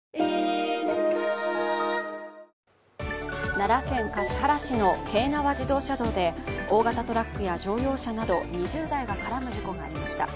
奈良県橿原市の京奈和自動車道で大型トラックや乗用車など２０台が絡む事故がありました。